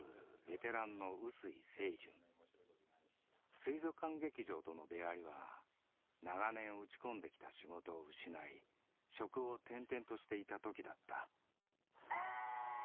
水族館劇場との出会いは長年打ち込んできた仕事を失い職を転々としていた時だった。